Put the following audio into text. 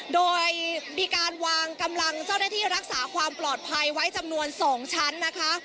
โดยมีการวางกำลังเจ้าหน้าที่รักษาความปลอดภัยไว้จำนวน๒ชั้นนะคะ